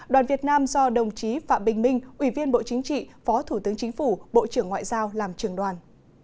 đoàn việt nam do đồng chí phạm bình minh ủy viên bộ chính trị phó thủ tướng chính phủ bộ trưởng ngoại giao làm trường đoàn